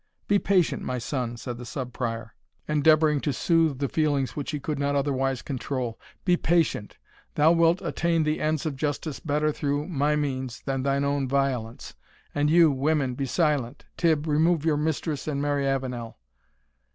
"Be patient, my son," said the Sub Prior, endeavouring to soothe the feelings which he could not otherwise control, "be patient thou wilt attain the ends of justice better through my means than thine own violence And you, women, be silent Tibb, remove your mistress and Mary Avenel."